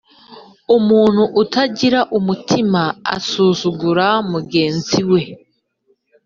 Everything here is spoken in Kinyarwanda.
Umuntu utagira umutima asuzugura mugenzi we